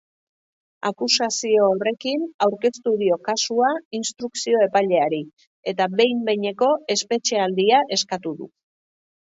Akusazio horrekin aurkeztu dio kasua instrukzio-epaileari eta behin-behineko espetxealdia eskatu du.